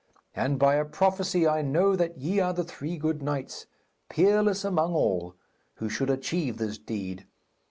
And by a prophecy I know that ye are the three good knights, peerless among all, who should achieve this deed.